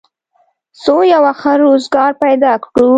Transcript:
څو یو ښه روزګار پیدا کړو